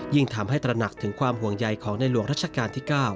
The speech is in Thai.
ยิ่งทำให้ตระหนักถึงความห่วงใยของในหลวงรัชกาลที่๙